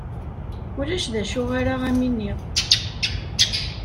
Ulac d acu ara am-iniɣ.